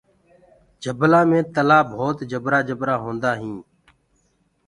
جبلآ مي تلآه ڀوت جبرآ جبرآ هوندآ هينٚ۔